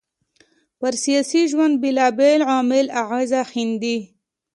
پر سياسي ژوند بېلابېل عوامل اغېز ښېندي